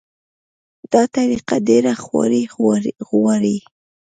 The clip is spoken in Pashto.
دا طریقه ډېره خواري غواړي.